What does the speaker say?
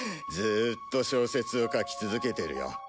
ずーっと小説を書き続けてるよ。